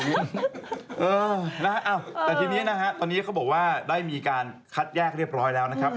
แล้วอันที่นี้ตอนนี้เขาบอกว่าที่ได้มีการคัดแยกเรียบร้อยแล้วนะครับ